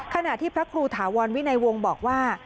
ขณะที่พระครูถาวรวินัยวงศ์บอกว่า